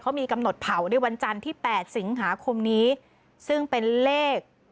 เขามีกำหนดเผาในวันจันทร์ที่๘สิงหาคมนี้ซึ่งเป็นเลข